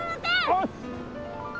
よし！